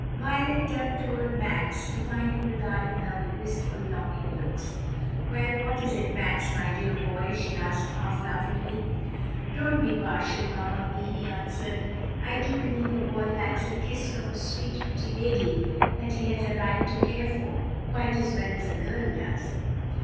Violet turned toward Max to find him regarding her with wistful, longing looks. "Well, what is it, Max, my dear boy?" she asked, half laughingly. "Don't be partial, Mamma Vi," he answered. "I do believe a boy likes a kiss from a sweet, pretty lady that he has a right to care for, quite as well as a girl does."